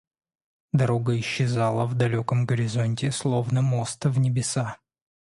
Дорога исчезала в далеком горизонте, словно мост в небеса.